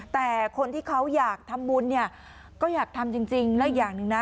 แต่คนที่เขาอยากทำบุญเนี่ยก็อยากทำจริงแล้วอีกอย่างหนึ่งนะ